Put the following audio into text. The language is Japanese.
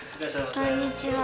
こんにちは。